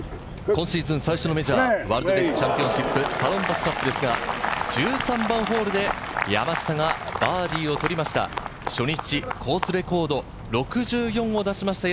今シーズン最初のメジャー、ワールドレディスチャンピオンシップサロンパスカップですが１３番ホールで山下がバーディーを取りました。